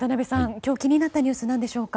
今日気になったニュースは何でしょうか。